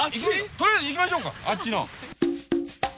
とりあえず行きましょうかあっちの。